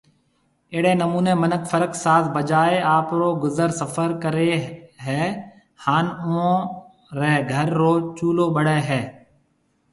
اهڙي نموني منک فرق ساز بجائي آپرو گذر سفر ڪري هي هان اوئون ري گھر رو چولو ٻڙي هي